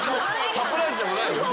サプライズでもない。